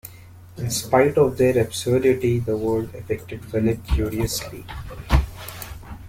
In spite of their absurdity the words affected Philip curiously.